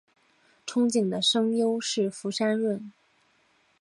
憧憬的声优是福山润。